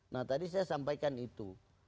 nah tadi saya sampaikan itu